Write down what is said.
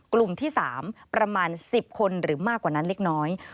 กลุ่มที่๓ประมาณ๑๐คนหรือมากกว่านั้นเล็กน้อย